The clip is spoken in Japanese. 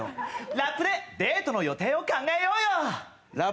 ラップでデートの予定を考えようよ？